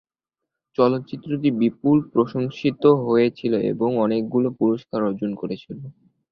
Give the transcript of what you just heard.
চলচ্চিত্রটি বিপুল প্রশংসিত হয়েছিল এবং অনেকগুলো পুরস্কার অর্জন করেছিল।